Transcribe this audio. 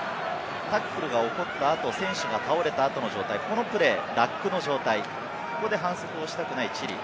タックルが起こった後、選手が倒れた後の状態、このプレー、ラックの状態、ここで反則をしたくないチリ。